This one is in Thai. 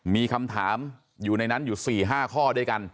มีคำถามอยู่ในนั้นอยู่๔๕ข้อด้วยกัน